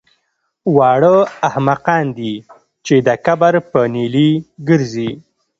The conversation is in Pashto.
واړه احمقان دي چې د کبر په نیلي ګرځي